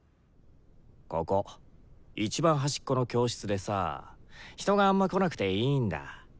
ここいちばん端っこの教室でさ人があんま来なくていいんだ。